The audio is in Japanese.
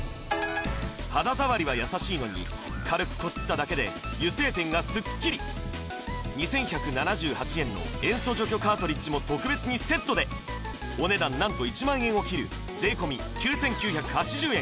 肌触りは優しいのに軽くこすっただけで油性ペンがスッキリ２１７８円の塩素除去カートリッジも特別にセットでお値段何と１万円を切る税込９９８０円